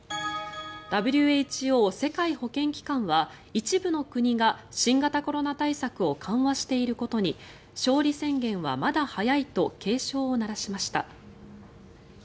ＷＨＯ・世界保健機関は一部の国が新型コロナ対策を緩和していることに勝利宣言はまだ早いと警鐘を鳴らしました。